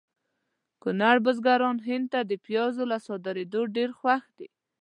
کونړ بزګران هند ته د پیازو له صادریدو ډېر خوښ دي